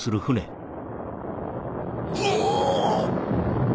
うお！